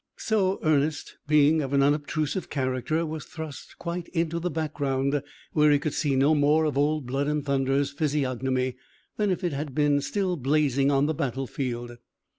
So Ernest, being of an unobtrusive character was thrust quite into the background, where he could see no more of Old Blood and Thunder's physiognomy than if it had been still blazing on the battle field.